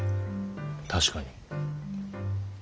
確かに。